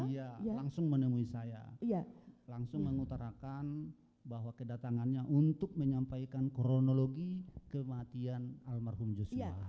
iya langsung menemui saya langsung mengutarakan bahwa kedatangannya untuk menyampaikan kronologi kematian almarhum joshua